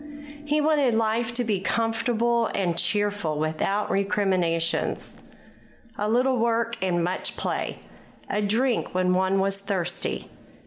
He wanted life to be comfortable and cheerful, without recriminations, a little work and much play, a drink when one was thirsty.